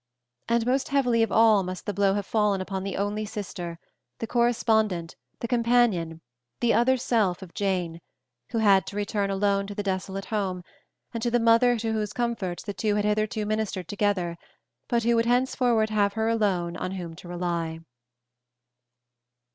And most heavily of all must the blow have fallen upon the only sister, the correspondent, the companion, the other self of Jane, who had to return alone to the desolate home, and to the mother to whose comforts the two had hitherto ministered together, but who would henceforward have her alone on whom to rely.